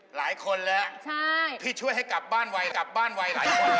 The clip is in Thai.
หลายคนแล้วพี่ช่วยให้กลับบ้านไวหลายคนแล้ว